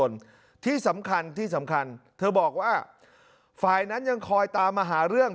มีผู้บาดเจ็บสมมติกี่คนแล้วเป็นอย่างไรบ้าง